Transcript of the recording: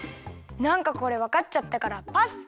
なんかこれわかっちゃったからパス！